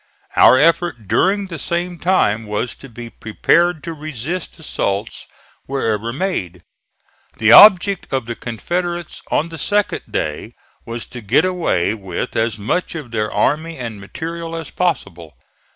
Our effort during the same time was to be prepared to resist assaults wherever made. The object of the Confederates on the second day was to get away with as much of their army and material as possible.